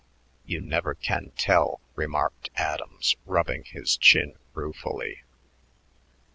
"You never can tell," remarked Adams, rubbing his chin ruefully.